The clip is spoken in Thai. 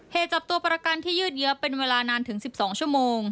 เหตุจับตัวประกันที่ยืดเยอะเป็นเวลานานถึง๑๒ชั่วโมง